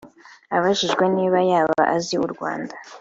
Abajijwe niba yaba azi u Rwanda